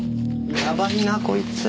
やばいなこいつ。